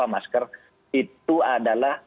masker itu adalah